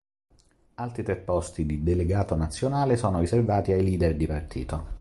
Altri tre posti di delegato nazionale sono riservati ai leader di partito.